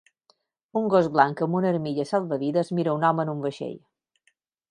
Un gos blanc amb una armilla salvavides mira un home en un vaixell.